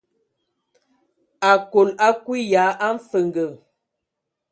Akol akui ya a mfənge.